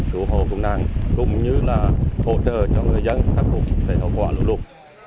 cứu hộ công nạn cũng như là hỗ trợ cho người dân khắc phục để hậu quả lũ lụt